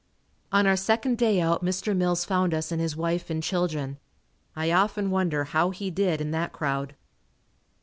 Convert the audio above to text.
On our second day out Mr. Mills found us and his wife and children. I often wonder how he did in that crowd.